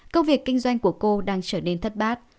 công việc kinh doanh của cô đang trở nên thất bát